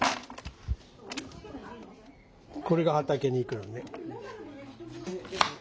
これが畑に行くのね。